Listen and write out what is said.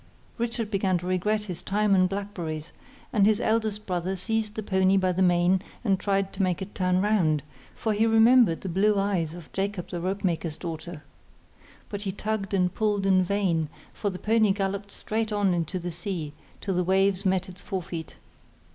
Richard began to regret his thyme and blackberries, and the eldest brother seized the pony by the mane and tried to make it turn round, for he remembered the blue eyes of Jacob the rope maker's daughter. But he tugged and pulled in vain, for the pony galloped straight on into the sea, till the waves met its forefeet.